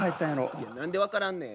いや何で分からんねん？